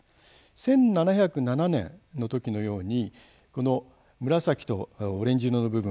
１７０７年の時のようにこの紫とオレンジ色の部分